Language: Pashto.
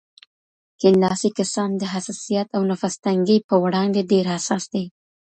کیڼ لاسي کسان د حساسیت او نفس تنګۍ په وړاندې ډېر حساس دي.